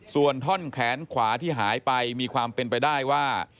ส่วนท่อนแขนขวาที่หายไปมีความเป็นไปได้ว่า